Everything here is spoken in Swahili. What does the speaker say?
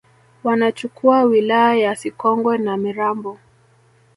wanachukua wilaya ya Sikonge na Mirambo